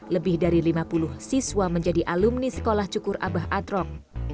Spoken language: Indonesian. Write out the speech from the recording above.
lebih dari lima puluh siswa menjadi alumni sekolah cukur abah atrok